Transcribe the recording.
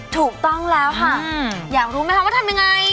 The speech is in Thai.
ถูกต้องแล้วค่ะอยากรู้ไหมคะว่าทำยังไง